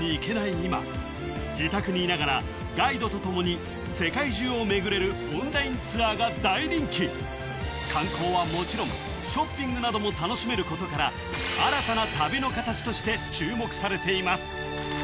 今自宅にいながらガイドとともに世界中を巡れるオンラインツアーが大人気観光はもちろんショッピングなども楽しめることから新たな旅のカタチとして注目されています